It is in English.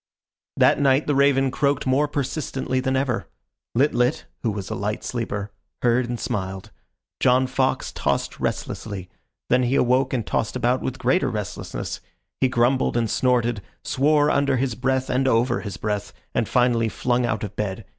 That night the raven croaked more persistently than ever. Lit lit, who was a light sleeper, heard and smiled. John Fox tossed restlessly. Then he awoke and tossed about with greater restlessness. He grumbled and snorted, swore under his breath and over his breath, and finally flung out of bed.